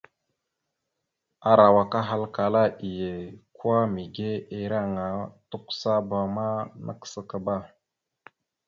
Arawak ahalkala iye kwa mege ireŋa tʉkəsaba ma nakəsakaba.